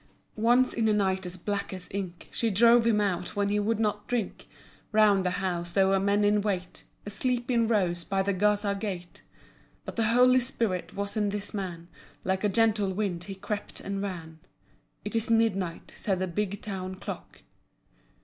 Once, in a night as black as ink, She drove him out when he would not drink. Round the house there were men in wait Asleep in rows by the Gaza gate. But the Holy Spirit was in this man. Like a gentle wind he crept and ran. ("It is midnight," said the big town clock.)